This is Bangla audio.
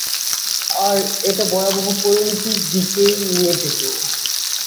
আর এটা ভয়াবহ পরিণতির দিকেই নিয়ে যেতো।